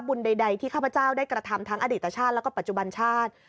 บุญใดที่ข้าพเจ้าได้กระทำทั้งอดีตชาติแล้วก็ปัจจุบันชาติ